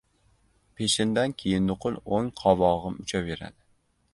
Peshindan keyin nuqul o‘ng qovog‘im uchaverdi.